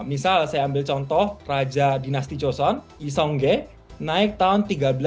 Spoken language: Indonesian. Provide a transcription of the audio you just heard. misal saya ambil contoh raja dinasti choson yi songge naik tahun seribu tiga ratus sembilan puluh dua